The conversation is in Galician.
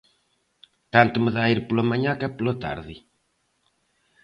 Tanto me dá ir pola mañá que pola tarde.